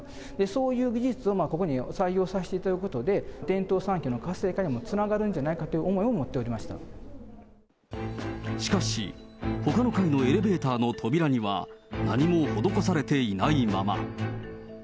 そういう技術をここに採用させていただくことで、伝統産品の活性化にもつながるんじゃないかという思いを持っておしかし、ほかの階のエレベーターの扉には、何も施されていないまま。